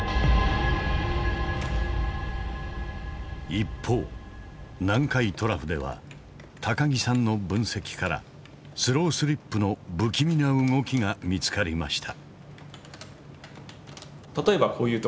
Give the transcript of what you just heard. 一方南海トラフでは木さんの分析からスロースリップの不気味な動きが見つかりました。